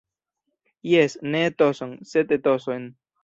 Jes, ne etoson, sed etosojn.